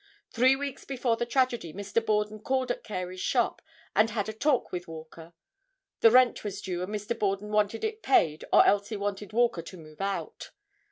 Three weeks before the tragedy Mr. Borden called at Carey's shop and had a talk with Walker. The rent was due and Mr. Borden wanted it paid or else he wanted Walker to move out.